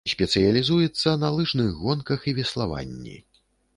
Спецыялізуецца на лыжных гонках і веславанні.